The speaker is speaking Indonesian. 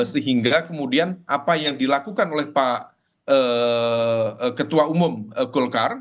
sehingga kemudian apa yang dilakukan oleh pak ketua umum golkar